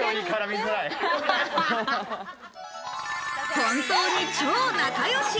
本当に超仲良し。